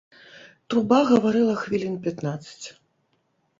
Труба гаварыла хвілін пятнаццаць.